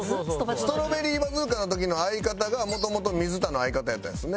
ストロベリーバズーカの時の相方が元々水田の相方やったんですよね。